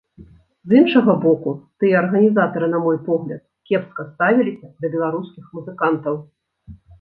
З іншага боку, тыя арганізатары, на мой погляд, кепска ставіліся да беларускіх музыкантаў.